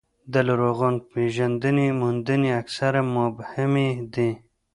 د لرغونپېژندنې موندنې اکثره مبهمې دي.